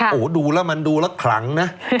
โอ้โหดูแล้วมันดูแล้วขลังนะ